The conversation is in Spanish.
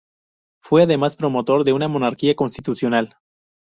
Fue además promotor de una monarquía constitucional.